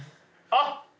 あっ！